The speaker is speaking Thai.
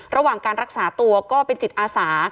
ระหว่างการรักษาตัวก็เป็นจิตอาสา